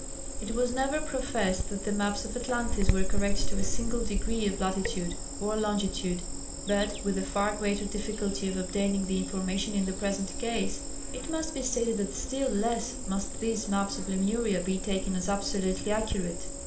It was never professed that the maps of Atlantis were correct to a single degree of latitude, or longitude, but, with the far greater difficulty of obtaining the information in the present case, it must be stated that still less must these maps of Lemuria be taken as absolutely accurate.